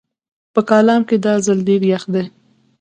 په کالام کې دا ځل ډېر يخ دی